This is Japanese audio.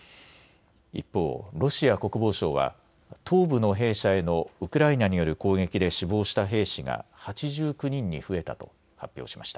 一方、ロシア国防省は東部の兵舎へのウクライナによる攻撃で死亡した兵士が８９人に増えたと発表しました。